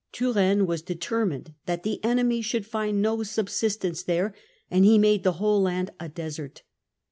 Turenne was determined that the enemy should find no subsistence there, and he made the whole land a desert.